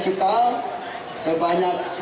jadi bukti bukti masih bentuk kristal